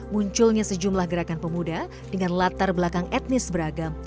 munculnya sejumlah gerakan pemuda dengan latar belakang etnis beragam